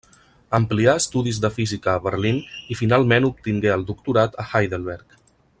Amplià estudis de física a Berlín i finalment obtingué el doctorat a Heidelberg.